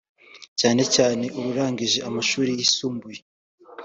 cyane cyane ururangije amashuri yisumbuye